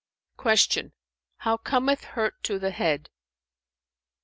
Q "How cometh hurt to the head?"